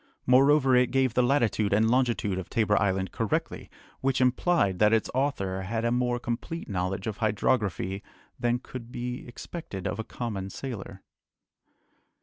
Moreover, it gave the latitude and longitude of Tabor Island correctly, which implied that its author had a more complete knowledge of hydrography than could be expected of a common sailor.